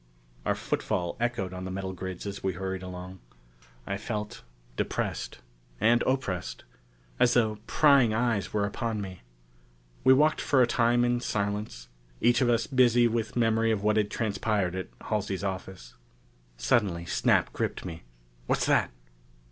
Our footfall echoed on the metal grids as we hurried along. I felt depressed and oppressed. As though prying eyes were upon me. We walked for a time in silence, each of us busy with memory of what had transpired at Halsey's office. Suddenly Snap gripped me. "What's that?"